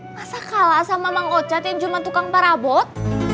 masa kalah sama mang ocat yang cuma tukang parabot